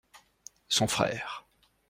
Son frère.